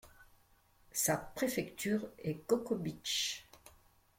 Sa préfecture est Cocobeach.